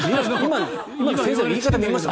今の先生の言い方見ました？